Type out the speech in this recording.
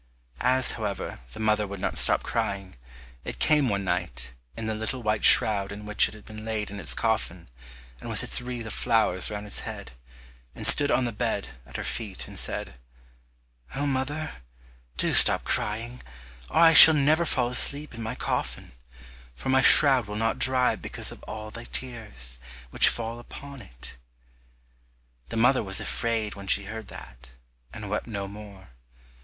As, however, the mother would not stop crying, it came one night, in the little white shroud in which it had been laid in its coffin, and with its wreath of flowers round its head, and stood on the bed at her feet, and said, "Oh, mother, do stop crying, or I shall never fall asleep in my coffin, for my shroud will not dry because of all thy tears, which fall upon it." The mother was afraid when she heard that, and wept no more.